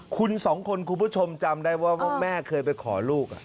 คุณสองคนคุณผู้ชมจำได้ว่าแม่เคยไปขอลูก